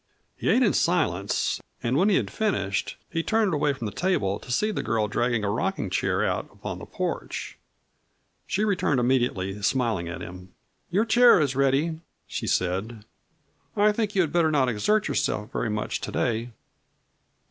He ate in silence and when he had finished he turned away from the table to see the girl dragging a rocking chair out upon the porch. She returned immediately, smiling at him. "Your chair is ready," she said. "I think you had better not exert yourself very much to day."